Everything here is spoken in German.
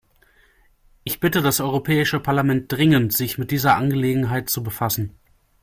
Ich bitte das Europäische Parlament dringend, sich mit dieser Angelegenheit zu befassen.